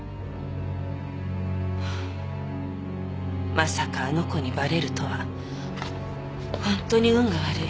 まさかあの子にバレるとは本当に運が悪い。